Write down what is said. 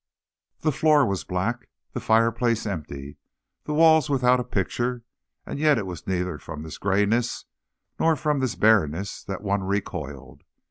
The floor was black, the fireplace empty, the walls without a picture, and yet it was neither from this grayness nor from this barrenness that one recoiled.